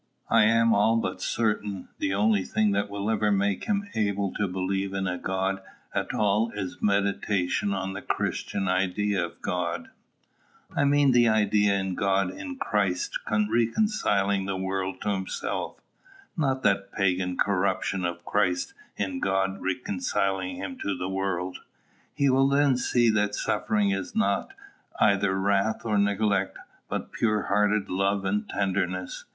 I am all but certain, the only thing that will ever make him able to believe in a God at all is meditation on the Christian idea of God, I mean the idea of God in Christ reconciling the world to himself, not that pagan corruption of Christ in God reconciling him to the world. He will then see that suffering is not either wrath or neglect, but pure hearted love and tenderness.